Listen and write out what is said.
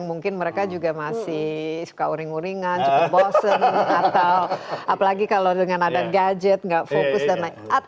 mungkin mereka juga masih suka uring uringan cukup bosen atau apalagi kalau dengan ada gadget nggak fokus dan lain lain